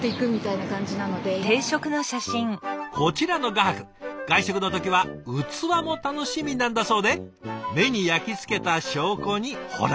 こちらの画伯外食の時は器も楽しみなんだそうで目に焼き付けた証拠にほら。